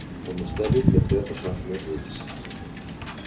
El mustèlid que té ressons més rics.